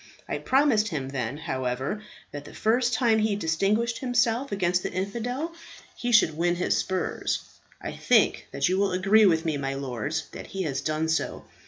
I promised him then, however, that the first time he distinguished himself against the infidel he should win his spurs. I think that you will agree with me, my lords, that he has done so.